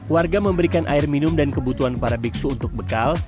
warga memberikan air minum dan kebutuhan para biksu untuk bekal